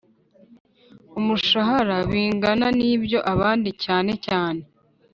Umushahara Bingana N Iby Abandi Cyane Cyane